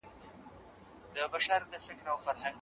له شر څخه په امان اوسئ.